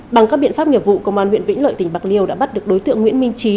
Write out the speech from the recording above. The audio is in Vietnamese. bằng các biện pháp nghiệp vụ công an huyện vĩnh lợi tỉnh bạc liêu đã bắt được đối tượng nguyễn minh trí